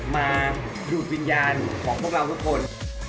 มาดูดวิญญาณของพวกเราทุกคน